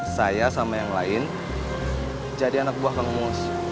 saya sama yang lain jadi anak buah kang mus